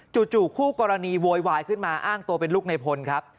จู่คู่กรณีโวยวายขึ้นมาอ้างตัวเป็นลูกในพลครับ